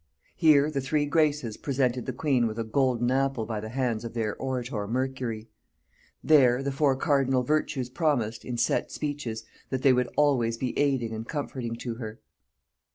Here the three Graces presented the queen with a golden apple by the hands of their orator Mercury; there the four cardinal Virtues promised, in set speeches, that they would always be aiding and comforting to her.